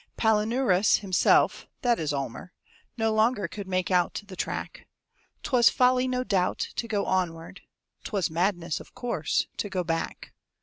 Palinurus himself that is Almer No longer could make out the track; 'Twas folly, no doubt, to go onward; 'Twas madness, of course, to go back.